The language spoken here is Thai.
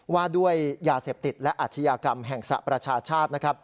ว่าด้วยยาเสพติดและอาชญากรรมแห่งสระประชาชาตินะครับ